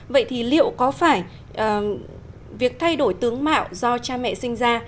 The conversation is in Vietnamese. vậy thì liệu có phải việc thay đổi tướng mạo do cha mẹ sinh ra